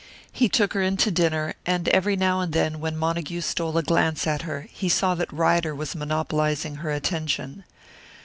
He took her in to dinner; and every now and then, when Montague stole a glance at her, he saw that Ryder was monopolising her attention.